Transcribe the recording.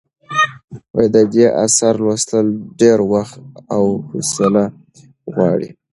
د دې اثر لوستل ډېر وخت او حوصله غواړي.